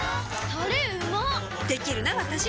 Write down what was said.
タレうまっできるなわたし！